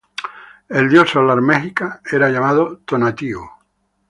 El dios solar mexica era llamado Tonatiuh.